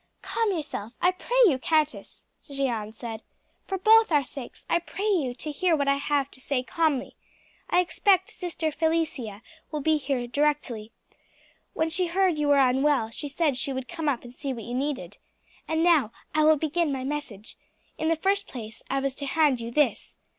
"Calm yourself, I pray you, countess," Jeanne said. "For both our sakes I pray you to hear what I have to say calmly. I expect Sister Felicia will be here directly. When she heard you were unwell she said she would come up and see what you needed. And now, I will begin my message. In the first place I was to hand you this."